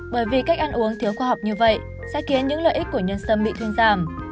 bởi vì cách ăn uống thiếu khoa học như vậy sẽ khiến những lợi ích của nhân sâm bị thuyên giảm